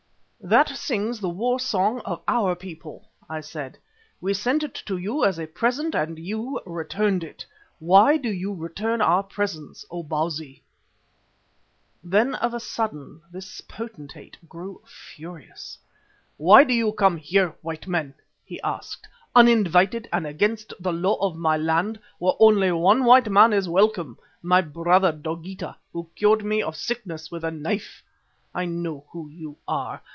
"That sings the war song of our people," I said. "We sent it to you as a present and you returned it. Why do you return our presents, O Bausi?" Then of a sudden this potentate grew furious. "Why do you come here, white men," he asked, "uninvited and against the law of my land, where only one white man is welcome, my brother Dogeetah, who cured me of sickness with a knife? I know who you are.